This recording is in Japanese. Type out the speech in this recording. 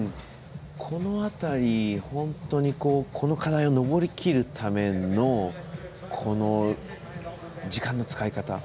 この辺り、本当にこの課題を登りきるための時間の使い方。